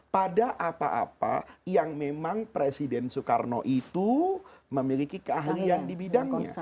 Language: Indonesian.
pada apa apa yang memang presiden soekarno itu memiliki keahlian di bidangnya